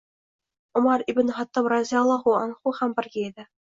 Umar ibn Xattob roziyallohu anhu ham birga edi